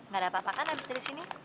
gak ada apa apa kan abis dari sini